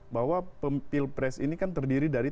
bahwa pilpres ini kan terdiri dari